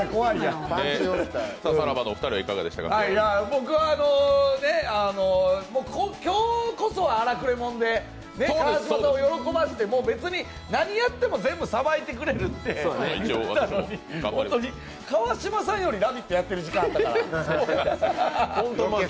僕は今日こそは荒くれ者で川島さんを喜ばして別に何やっても全部さばいてくれるって言ってたのに、川島さんより「ラヴィット！」やってる時間やったから。